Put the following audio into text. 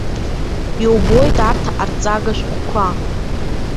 Иубоит арҭ арҵага шәҟәқәа.